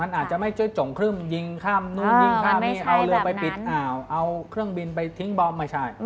อาจจะไม่ได้จงที่ยิงข้นะเอาเครื่องบินไปทิ้งบอม